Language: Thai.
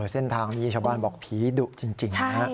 เส้นทางนี้ชาวบ้านบอกผีดุจริงนะฮะ